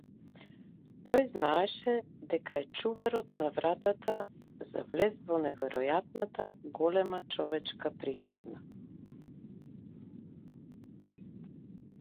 Тој знаеше дека е чуварот на вратата за влез во неверојатната голема човечка приказна.